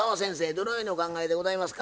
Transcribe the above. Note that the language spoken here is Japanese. どのようにお考えでございますか？